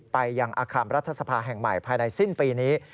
ไปยังอาคารรัฐสภาแห่งใหม่ภายในสิ้นปีนี้